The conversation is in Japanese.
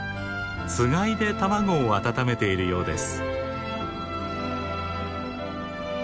つがいで卵を温めているようです。